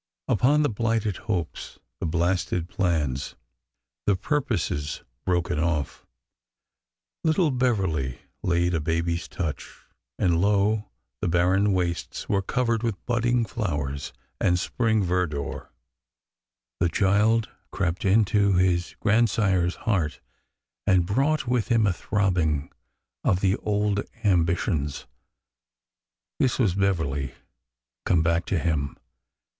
Upon the blighted hopes, the blasted plans, the purposes broken off, little Beverly laid a baby's touch, and, lo ! the barren wastes were cov ered with budding flowers and spring verdure. The child crept into his grandsire's heart and brought with him a throbbing of the old ambitions. This was Beverly come back to him.